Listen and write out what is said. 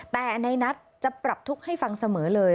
แต่ในนัทจะปรับทุกข์ให้ฟังเสมอเลย